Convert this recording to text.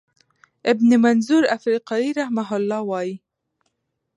ابن منظور افریقایی رحمه الله وایی،